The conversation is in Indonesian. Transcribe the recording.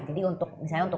jadi untuk misalnya untuk